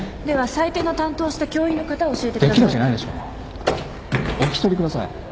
では採点の担当をした教員の方を教えてください。